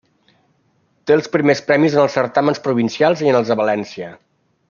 Té els primers premis en els Certàmens Provincials i en el de València.